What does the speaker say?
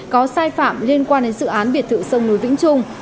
có sai phạm liên quan đến dự án biệt thự sông núi vĩnh trung